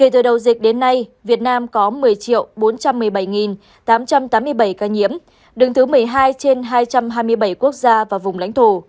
kể từ đầu dịch đến nay việt nam có một mươi bốn trăm một mươi bảy tám trăm tám mươi bảy ca nhiễm đứng thứ một mươi hai trên hai trăm hai mươi bảy quốc gia và vùng lãnh thổ